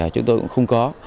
chúng tôi cũng không có